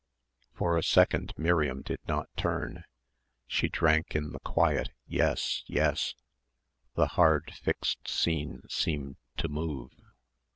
For a second Miriam did not turn. She drank in the quiet "yes, yes," the hard fixed scene seemed to move.